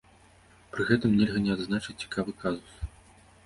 Пры гэтым нельга не адзначыць цікавы казус.